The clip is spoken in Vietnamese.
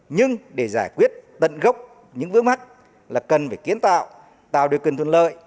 nhưng để giải quyết tận gốc những vướng mắt là cần phải kiến tạo tạo điều kiện thuận lợi